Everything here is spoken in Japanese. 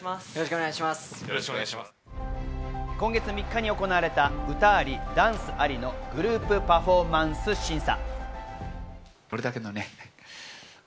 今月３日に行われた歌あり、ダンスありのクループパフォーマンス審査。